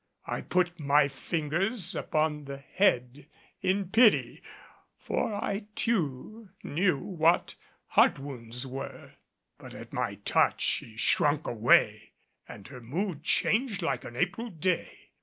I put my fingers upon the head in pity, for I too knew what heart wounds were. But at my touch she shrunk away and her mood changed like an April day.